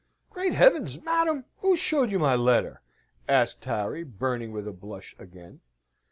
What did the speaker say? "Great heavens! madam, who showed you my letter?" asked Harry, burning with a blush again.